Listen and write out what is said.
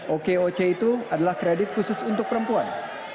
okoc itu adalah kredit khusus untuk perempuan